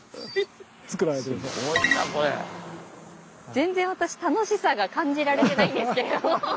全然私楽しさが感じられてないんですけれど。